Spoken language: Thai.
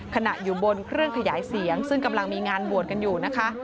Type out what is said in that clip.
อยู่บนเครื่องขยายเสียงซึ่งกำลังมีงานบวชกันอยู่นะคะ